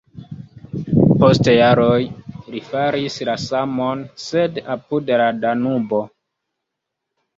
Post jaroj li faris la samon, sed apud la Danubo.